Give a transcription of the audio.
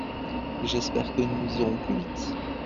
J’espère que nous irons plus vite.